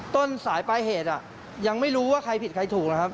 ต้นสายปลายเหตุยังไม่รู้ว่าใครผิดใครถูกนะครับ